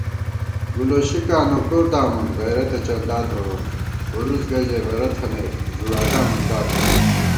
گُولوشِکاں نوکور دامون غیرَتہ چندا تھووون * ھوُرُوس گہ ژَئی غَرہ تھنَئیت ݫُگاٹا مندا تھووون